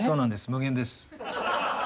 無限です。